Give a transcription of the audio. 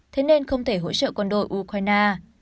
thế nên không thể hỗ trợ quân đội ukraine